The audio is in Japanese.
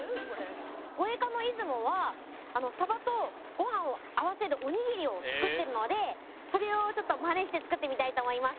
護衛艦のいずもはサバとご飯を合わせておにぎりを作ってるのでそれをちょっとマネして作ってみたいと思います。